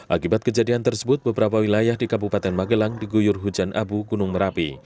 akibat kejadian tersebut beberapa wilayah di kabupaten magelang diguyur hujan abu gunung merapi